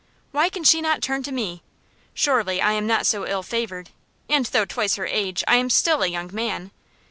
Why can she not turn to me? Surely, I am not so ill favored, and though twice her age, I am still a young man.